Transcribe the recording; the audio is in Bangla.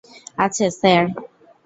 আছে, স্যার।